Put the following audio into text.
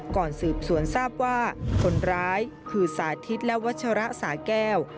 ก่อนสืบสวนทราบว่าคนร้ายคือสาธิตและวัชระสาแก้ว